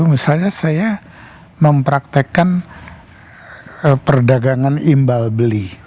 misalnya saya mempraktekkan perdagangan imbal beli